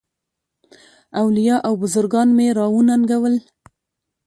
اولیاء او بزرګان مي را وننګول.